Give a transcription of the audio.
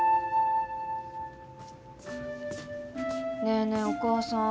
ねえねえお母さん。